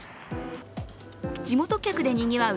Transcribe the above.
地元客でにぎわう